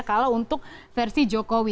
kalau untuk versi jokowi